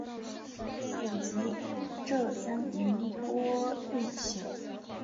祖籍浙江宁波鄞县。